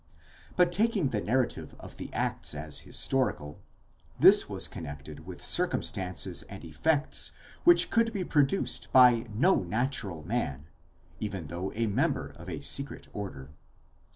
But, taking the narrative of the Acts as historical, this was connected with circumstances and effects which could be produced by no natural man, even though a member of a secret order.